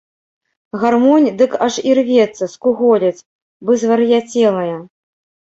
Гармонь дык аж ірвецца, скуголіць, бы звар'яцелая.